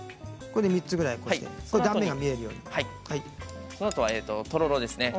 ３つぐらい、こうしてね断面が見えるようにこの次がとろろですね。